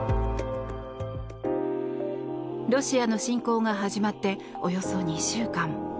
ロシアの侵攻が始まっておよそ２週間。